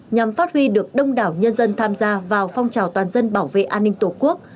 nhằm phát huy được đông đảo nhân dân tham gia vào phong trào toàn dân bảo vệ an ninh tổ quốc